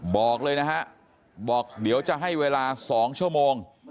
บอกเลยนะฮะบอกเดี๋ยวจะให้เวลา๒ชั่วโมง